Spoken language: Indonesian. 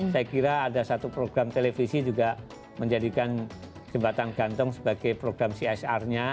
saya kira ada satu program televisi juga menjadikan jembatan gantung sebagai program csr nya